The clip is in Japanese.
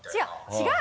違う！